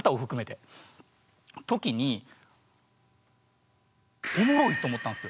時に「おもろい！」と思ったんですよ。